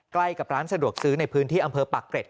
ใกล้กับร้านสะดวกซื้อในพื้นที่อำเภอปากเกร็ด